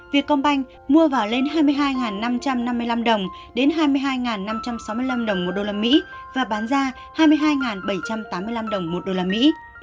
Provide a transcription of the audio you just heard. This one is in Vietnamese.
vietcombank mua vào lên hai mươi hai năm trăm năm mươi năm đồng đến hai mươi hai năm trăm sáu mươi năm đồng một đô la mỹ và bán ra hai mươi hai bảy trăm tám mươi năm đồng một đô la mỹ